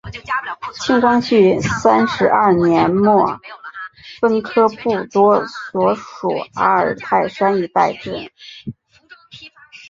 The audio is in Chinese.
清光绪三十二年末分科布多所属阿尔泰山一带置。